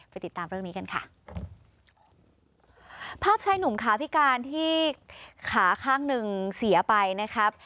ติดตามเรื่องนี้กันค่ะภาพชายหนุ่มขาพิการที่ขาข้างหนึ่งเสียไปนะครับ